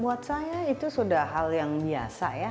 buat saya itu sudah hal yang biasa ya